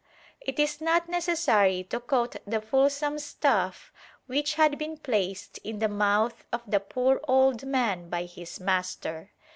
It is not necessary to quote the fulsome stuff which had been placed in the mouth of the poor old man by his master.